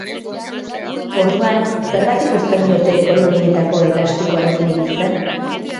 Orduan, zergatik uzten diote kolorinetako elastikoarekin ibiltzen?.